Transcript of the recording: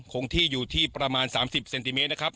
คงที่อยู่ที่ประมาณ๓๐เซนติเมตรนะครับ